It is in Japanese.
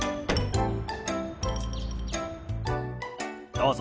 どうぞ。